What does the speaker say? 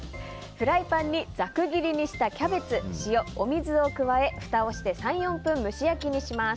フライパンにざく切りにしたキャベツ塩、お水を加えふたをして３４分蒸し焼きにします。